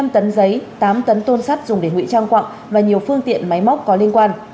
hai mươi năm tấn giấy tám tấn tôn sắt dùng để ngụy trang quặng và nhiều phương tiện máy móc có liên quan